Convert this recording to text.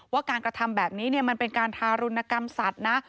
ว่าการกระทำแบบนี้มันเป็นการทารุณกรรมสัตว์นะ